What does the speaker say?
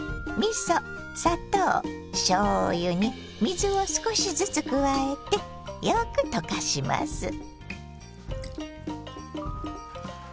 みそ砂糖しょうゆに水を少しずつ加えてよく溶かします。